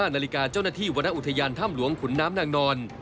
นาฬิกาเจ้าหน้าที่วรรณอุทยานถ้ำหลวงขุนน้ำนางนอน